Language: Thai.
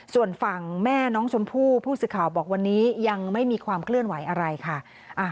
ส่วนฝั่งแม่น้องชมพู่ผู้สื่อข่าวบอกวันนี้ยังไม่มีความเคลื่อนไหวอะไรค่ะ